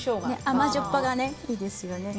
甘じょっぱがいいですよね。